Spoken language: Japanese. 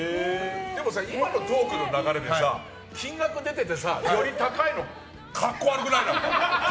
でも、今のトークの流れで金額出ていてさより高いの格好悪くない？